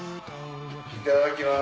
いただきます。